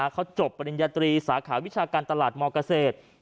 เขาจบปริญญาตรีสาขาวิชาการตลาดมเกษตร